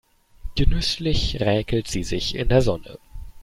Genüsslich räkelt sie sich in der Sonne.